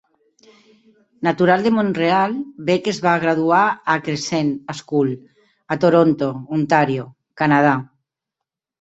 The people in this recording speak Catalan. Natural de Montreal, Beck es va graduar a Crescent School, a Toronto, Ontàrio, Canadà.